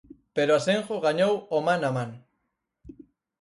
Pero Asenjo gañou o man a man.